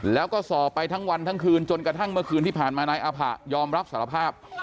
แล้วก็สอบไปทั้งวันทั้งคืนจนกระทั่งเมื่อคืนที่ผ่านมานายอาผะยอมรับสารภาพ